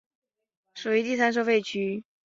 属于第三收费区。